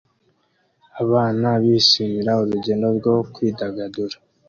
Abana bishimira urugendo rwo kwidagadura